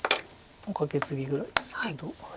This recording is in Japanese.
カケツギぐらいですけど。